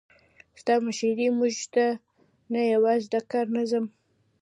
ستا مشري موږ ته نه یوازې د کار نظم،